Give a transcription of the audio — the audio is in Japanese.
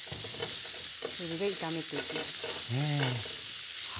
中火で炒めていきます。